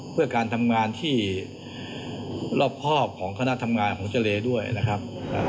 เพื่อการทำงานที่รอบครอบของคณะทำงานของเจรด้วยนะครับ